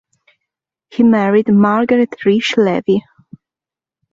He married Margaret Riche Levy.